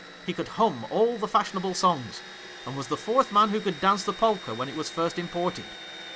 He could hum all the fashion able songs, and was the fourth man who could dance the polka when it was first imported.